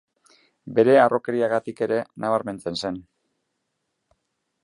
Bere harrokeriagatik ere nabarmentzen zen.